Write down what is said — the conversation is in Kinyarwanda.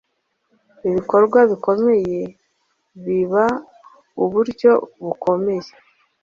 Ibikorwa bikomeye biaba uburyo bukomeye